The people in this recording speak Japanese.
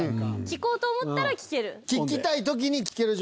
聞こうと思ったら聞ける？